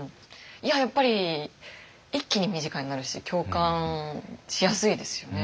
やっぱり一気に身近になるし共感しやすいですよね。